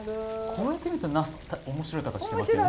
こうやって見るとナスって面白い形してますよね。